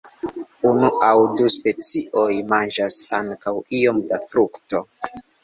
Unu aŭ du specioj manĝas ankaŭ iom da frukto.